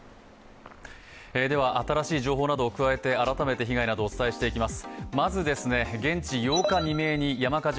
新しい情報などを加えて改めて被害をお伝えしていきます。